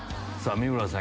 三村さん